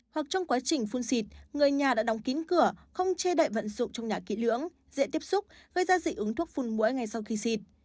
hoặc trong quá trình phun xịt người nhà đã đóng kín cửa không che đậy vận dụng trong nhà kỹ lưỡng dễ tiếp xúc gây ra dị ứng thuốc phun mũi ngay sau khi xịt